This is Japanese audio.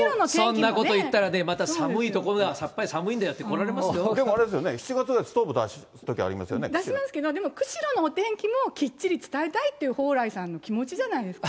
そんなことを言ったらね、寒い所はやっぱり寒いんだよって怒でもあれですよね、７月スト出しますけど、でも釧路のお天気もきっちり伝えたいという蓬莱さんの気持ちじゃないですか。